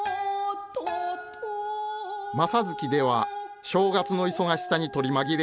「正月」では正月の忙しさに取り紛れ